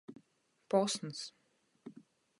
Posns.